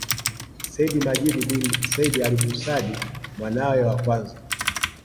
Sayyid Majid bin Said Al Busad mwanawe wa kwanza